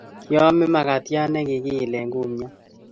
Kiame makatiat ne kikiile kumnyat